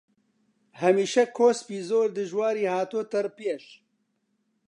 هەمیشە کۆسپی زۆر دژواری هاتۆتە پێش